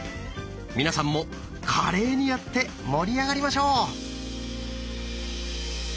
皆さんも華麗にやって盛り上がりましょう！